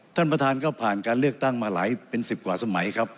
ท่านประธานก็ผ่านการเลือกตั้งมาหลายเป็น๑๐กว่าสมัยครับ